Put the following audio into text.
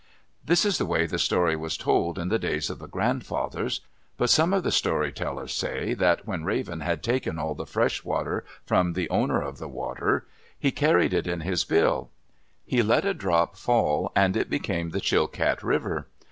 This is the way the story was told in the days of the grandfathers. But some of the story tellers say that when Raven had taken all the fresh water from the Owner of the Water, he carried it in his bill. He let a drop fall and it became the Chilcat River.